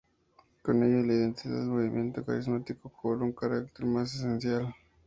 Con ello, la identidad del movimiento carismático cobró un carácter más eclesial.